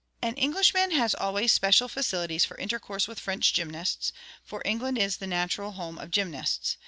An Englishman has always special facilities for intercourse with French gymnasts; for England is the natural home of gymnasts.